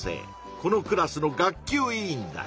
このクラスの学級委員だ。